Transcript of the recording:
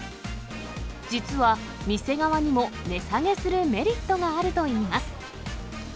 実は店側にも、値下げするメリットがあるといいます。